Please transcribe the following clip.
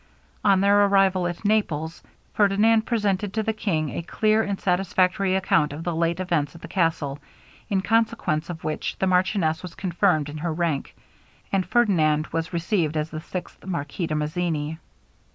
On their arrival at Naples, Ferdinand presented to the king a clear and satisfactory account of the late events at the castle, in consequence of which the marchioness was confirmed in her rank, and Ferdinand was received as the sixth Marquis de Mazzini.